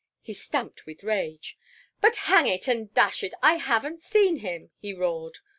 He stamped with rage. "But, hang it and dash it, I haven't seen him!" he roared.